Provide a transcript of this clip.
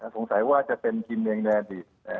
สงสัยว่าจะเป็นกิมเนี่ยเนี่ยดิ